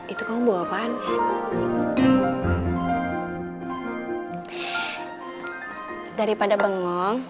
itu kamu bawa apaan